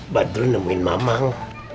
badru nemuin mamang